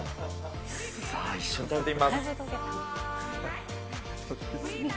さあ、一緒に食べてみます。